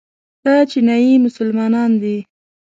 دا چیچنیایي مسلمانان دي.